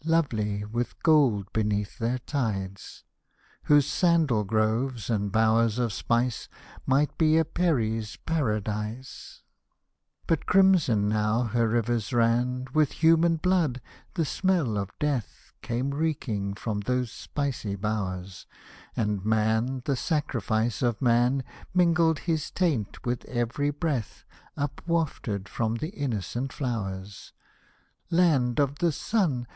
Lovely, with gold beneath their tides ; W^hose sandal groves and bowers of spice Might be a Peri's Paradise ! Hosted by Google 128 LALLA ROOKH But crimson now her rivers ran With human blood — the smell of death Came reeking from those spicy bowers, And man, the sacrifice of man, Mingled his taint with every breath Upwafted from the innocent flowers. Land of the Sun